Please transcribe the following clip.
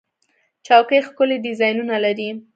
چوکۍ ښکلي ډیزاینونه لري.